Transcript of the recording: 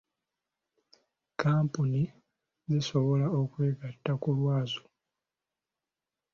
Kkampuni zisobola okwegatta ku lwazo.